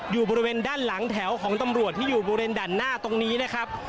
อยู่บริเวณด้านหลังแถวของตำรวจที่อยู่บริเวณด่านหน้าตรงนี้นะครับ